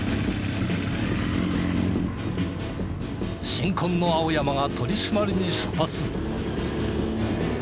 新婚の青山が取り締まりに出発。